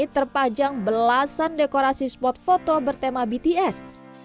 terpajang belasan dekorasi spot foto bertema bts